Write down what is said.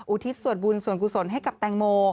ทิศส่วนบุญส่วนกุศลให้กับแตงโม